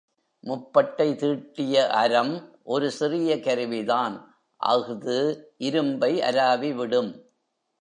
முப்பட்டை தீட்டிய அரம் அது சிறிய கருவிதான் அஃது இரும்பை அராவிவிடும்.